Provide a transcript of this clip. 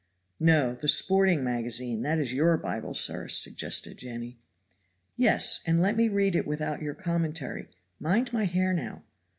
"No, the Sporting Magazine, that is your Bible, sir," suggested Jenny. "Yes, and let me read it without your commentary mind my hair now.